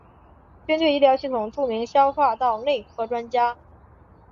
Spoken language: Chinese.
军队医疗系统著名消化道内科专家。